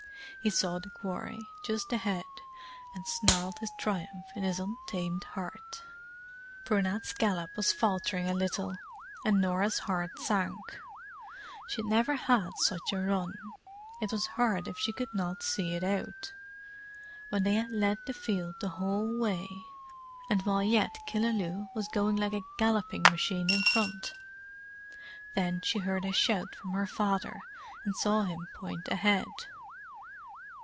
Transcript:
He saw the quarry, just ahead, and snarled his triumph in his untamed heart. Brunette's gallop was faltering a little, and Norah's heart sank. She had never had such a run: it was hard if she could not see it out, when they had led the field the whole way—and while yet Killaloe was going like a galloping machine in front. Then she heard a shout from her father and saw him point ahead.